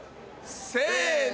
せの。